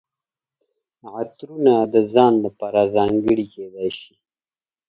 عطرونه د ځان لپاره ځانګړي کیدای شي.